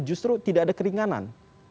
justru tidak ada keringanan